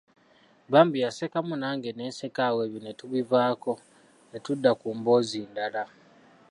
Bambi yasekamu nange ne nseka awo ebyo ne tubivaako, ne tudda ku mboozi ndala.